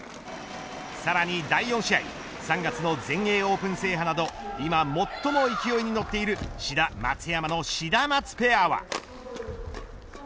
さらに第４試合３月の全英オープン制覇など今、最も勢いに乗っている志田、松山のシダマツペアは。